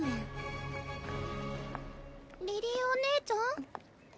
リリィーお姉ちゃん？